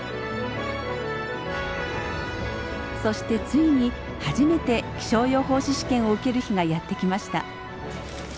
そしてついに初めて気象予報士試験を受ける日がやってきました。